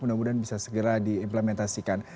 mudah mudahan bisa segera diimplementasikan